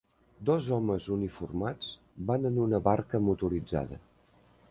Dos homes uniformats van en una barca motoritzada.